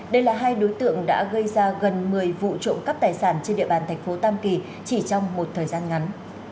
đây là hai đối tượng đã gây ra gần một mươi vụ trộm cắp tài sản trên địa bàn thành phố tam kỳ chỉ trong một thời gian ngắn